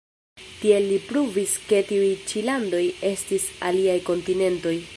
Tiel li pruvis ke tiuj ĉi landoj estis alia kontinento.